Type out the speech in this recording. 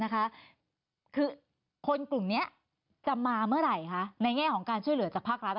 คือคนกลุ่มนี้จะมาเมื่อไหร่คะในแง่ของการช่วยเหลือจากภาครัฐ